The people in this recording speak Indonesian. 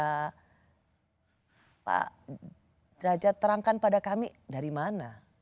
pak derajat terangkan pada kami dari mana